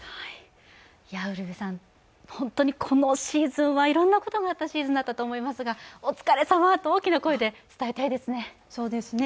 本当にこのシーズンはいろんなことがあったシーズンだったと思いますが、お疲れさまと大きな声で伝えたいですね。